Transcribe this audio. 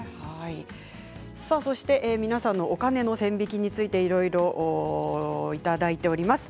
皆さんのお金の線引きについていろいろいただいています。